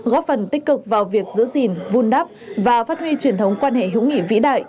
góp phần tích cực vào việc giữ gìn vun đắp và phát huy truyền thống quan hệ hữu nghị vĩ đại